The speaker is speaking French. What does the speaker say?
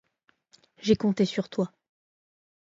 J'ai compté sur toi.